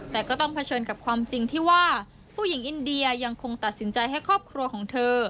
แต่ก็ต้องเผชิญกับความจริงที่ว่าผู้หญิงอินเดียยังคงตัดสินใจให้ครอบครัวของเธอ